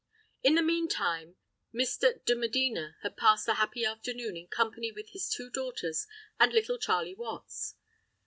In the meantime Mr. de Medina had passed a happy afternoon in company with his two daughters and little Charley Watts.